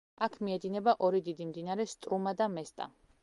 აქ მიედინება ორი დიდი მდინარე სტრუმა და მესტა.